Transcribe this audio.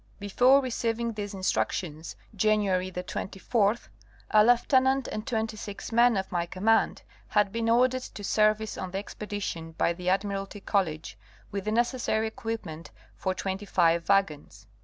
Before receiving these instructions, January 24, a lieutenant and 26 men of my command had been ordered to service on the expedition by the Admiralty College with the necessary equip ment for 25 wagons.